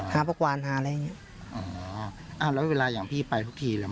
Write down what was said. หาประกวานหาอะไรอย่างเงี้อ๋ออ้าวแล้วเวลาอย่างพี่ไปทุกทีเลย